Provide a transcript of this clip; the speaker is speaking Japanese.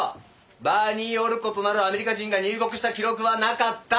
バーニー・オルコットなるアメリカ人が入国した記録はなかった！